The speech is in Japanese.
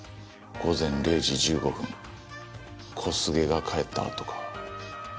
午前０時１５分小菅が帰った後か。